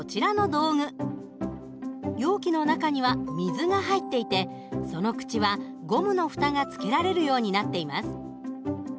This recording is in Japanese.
容器の中には水が入っていてその口はゴムの蓋がつけられるようになっています。